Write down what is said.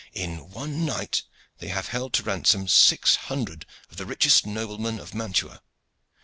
In one night they have held to ransom six hundred of the richest noblemen of Mantua.